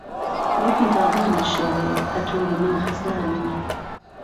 رەبی بابانت شێوێ، ئەتۆ لە من خەساری